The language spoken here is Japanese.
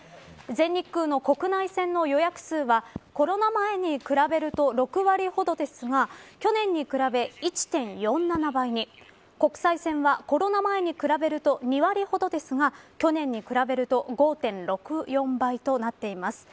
全日空の国内線の予約数はコロナ前に比べると６割ほどですが去年に比べ１．４７倍に国際線はコロナ前に比べると２割ほどですが去年に比べると５．６４倍となっています。